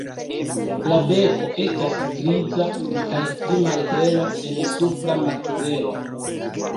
La beko estas griza kaj pli malhela en supra makzelo.